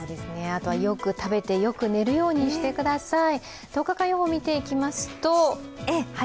あとはよく食べてよく寝るようにしてください。